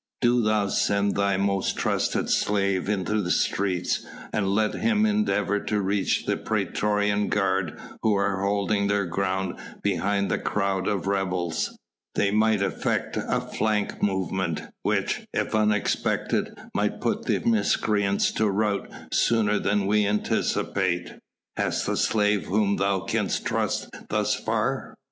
Do thou send thy most trusted slave into the streets, and let him endeavour to reach the praetorian guard who are holding their ground behind the crowd of rebels. They might effect a flank movement, which, if unexpected, might put the miscreants to rout sooner than we anticipate. Hast a slave whom thou canst trust thus far?"